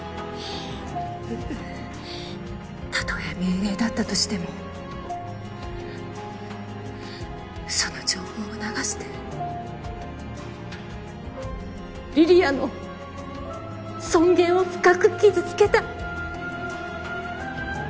たとえ命令だったとしても嘘の情報を流して梨里杏の尊厳を深く傷つけた。